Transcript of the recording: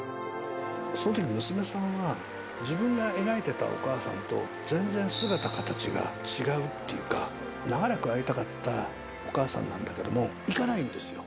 そのとき娘さんが、自分が描いてたお母さんと全然姿形が違うっていうか、長らく会いたかったお母さんなんだけども、行かないんですよ。